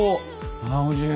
あおいしい。